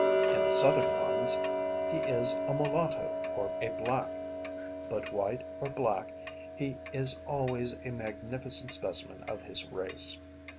In the Southern ones, he is a mulatto or a black; but white or black, he is always a magnificent specimen of his race.